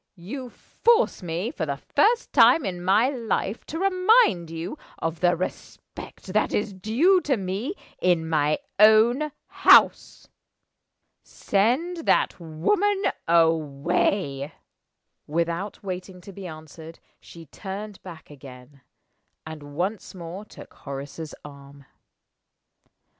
"You force me, for the first time in my life, to remind you of the respect that is due to me in my own house. Send that woman away." Without waiting to be answered, she turned back again, and once more took Horace's arm.